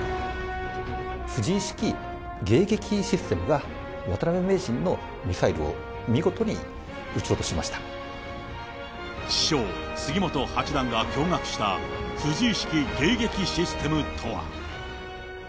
藤井式迎撃システムが渡辺名人のミサイルを見事に撃ち落とし師匠、杉本八段が驚がくした藤井式迎撃システムとは。